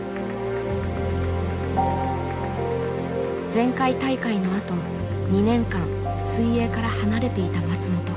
前回大会のあと２年間水泳から離れていた松本。